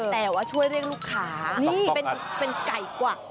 แต่ว่าช่วยเรียกลูกค้าเป็นไก่กวัก